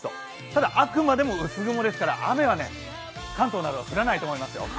ただ、あくまでも薄雲ですから雨は関東などでは降らないと思いますよ。